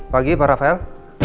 pagi pak rafael